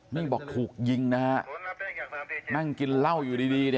นี่บอกถูกยิงนะฮะนั่งกินเหล้าอยู่ดี